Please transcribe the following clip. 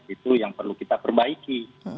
itu yang perlu kita perbaiki